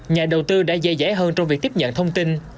nhà đầu tư đã dễ dãi hơn trong việc tiếp nhận thông tin